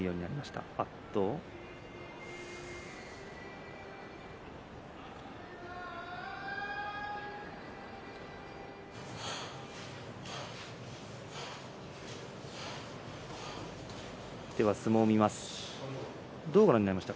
では相撲を見ます。